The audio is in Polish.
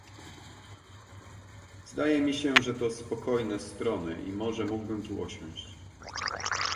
"Zdaje mi się, że to spokojne strony i może mógłbym tu osiąść."